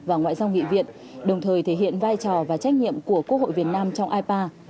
và ngoại giao nghị viện đồng thời thể hiện vai trò và trách nhiệm của quốc hội việt nam trong ipa